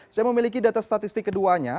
saya memiliki data statistik keduanya